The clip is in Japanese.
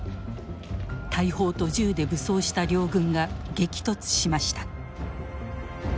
大砲と銃で武装した両軍が激突しました。